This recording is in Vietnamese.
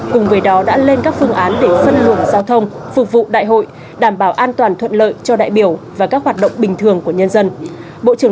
cùng với đó đã lên các phương án để phân luồng giao thông phục vụ đại hội đảm bảo an toàn thuận lợi cho đại biểu và các hoạt động bình thường của nhân dân